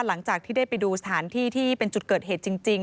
หลังจากที่ได้ไปดูสถานที่ที่เป็นจุดเกิดเหตุจริง